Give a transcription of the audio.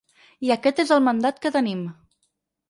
I aquest és el mandat que tenim.